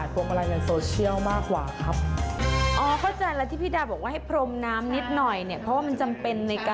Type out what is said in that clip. พอมีน้ำละม้วนขึ้นดีด้วยเลยจริง